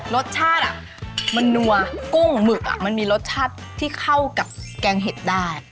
รสชาติมันนัวกุ้งหมึกมันมีรสชาติที่เข้ากับแกงเห็ดได้